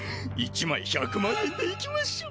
１まい１００万円でいきましょ！